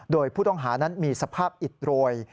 โดยผู้ต้องหานั้นมีสภาพอิดโรย